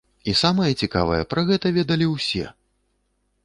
І самае цікавае, пра гэта ведалі усе!